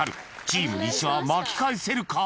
［チーム西は巻き返せるか？］